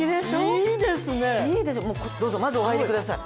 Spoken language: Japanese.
どうぞまずお入りください。